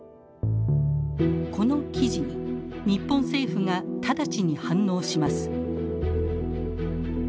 この記事に日本政府が直ちに反応します。